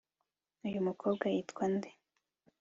Uyu mukobwa yitwa nde